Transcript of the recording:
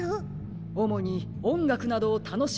おもにおんがくなどをたのしむばしょです。